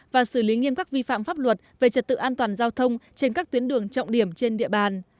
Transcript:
và xử lý nghiêm các vi phạm pháp luật về trật tự an toàn giao thông trên các tuyến đường trọng điểm trên địa bàn